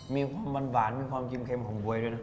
มีความบานกับความกินเค็มของบ๊วยด้วยนะ